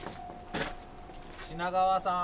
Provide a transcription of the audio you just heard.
品川さん。